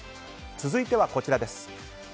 続いてはこちらです。